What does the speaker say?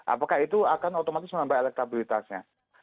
apakah itu akan otomatis menambah elektabilitasnya